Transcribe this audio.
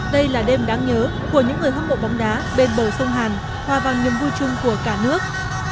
đây là đêm đáng nhớ của những người hâm mộ bóng đá bên bầu sông hàn hoa vang niềm vui chung của cả nước